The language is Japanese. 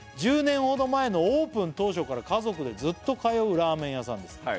「１０年ほど前のオープン当初から家族でずっと通うラーメン屋さんです」